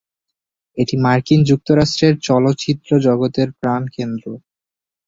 এটি মার্কিন যুক্তরাষ্ট্রের চলচ্চিত্র জগতের প্রাণকেন্দ্র।